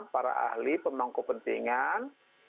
para ahli pembangku pentingan